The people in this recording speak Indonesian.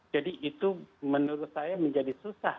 jadi itu menurut saya menjadi susah